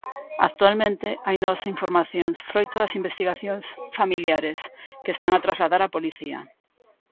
Actualmente hai novas informacións, froito das investigacións familiares, que están a trasladar á policía.